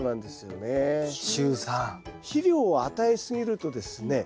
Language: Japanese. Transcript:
肥料を与えすぎるとですね